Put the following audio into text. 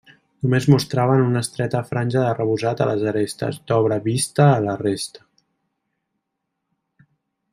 Només mostraven una estreta franja d'arrebossat a les arestes, d'obra vista a la resta.